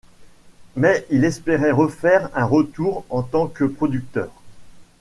Mais il espérait refaire un retour en tant que producteur.